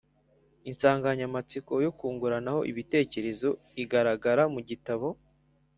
insanganyamatsiko yo kunguranaho ibitekerezo igaragara mu gitabo